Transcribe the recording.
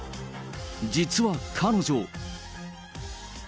実は彼女。